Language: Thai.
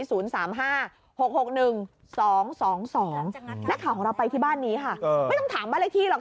นักข่าวของเราไปที่บ้านนี้ค่ะไม่ต้องถามบ้านเลขที่หรอก